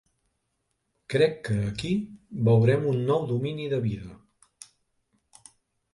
Crec que aquí veurem un nou domini de vida.